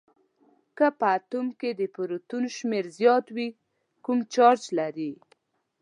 که په اتوم کې د پروتون شمیر زیات وي کوم چارج لري؟